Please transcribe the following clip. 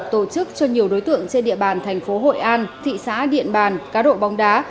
tổ chức cho nhiều đối tượng trên địa bàn thành phố hội an thị xã điện bàn cá độ bóng đá